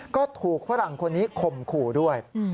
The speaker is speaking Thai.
ก็ถูกฝรั่งคนนี้ข่มขู่ด้วย